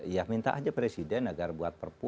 ya minta aja presiden agar buat perpu